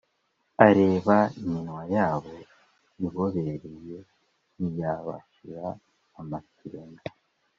areba iminwa yabo ibobereye ntiyabashira amakenga